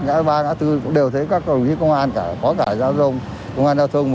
nhã ba nhã tư cũng đều thấy các đồng chí công an cả có cả giáo dông công an giao thông